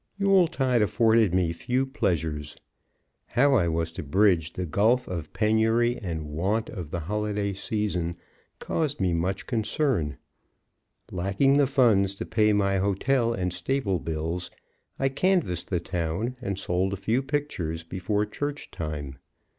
_ Yuletide afforded me few pleasures. How I was to bridge the gulf of penury and want of the Holiday season caused me much concern. Lacking the funds to pay my hotel and stable bills, I canvassed the town and sold a few pictures before church time.